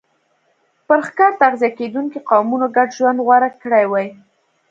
پر ښکار تغذیه کېدونکو قومونو ګډ ژوند غوره کړی وای.